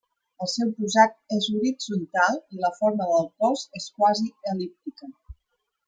El seu posat és horitzontal i la forma del cos és quasi el·líptica.